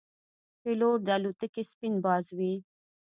پیلوټ د الوتکې سپین باز وي.